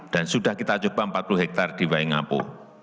dan sudah kita coba empat puluh hektare di waingapu